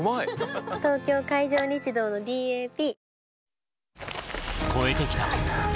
東京海上日動のＤＡＰ